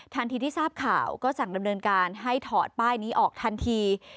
ที่ทราบข่าวก็สั่งดำเนินการให้ถอดป้ายนี้ออกทันที